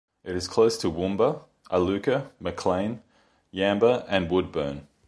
It is close to Woombah, Iluka, Maclean, Yamba and Woodburn.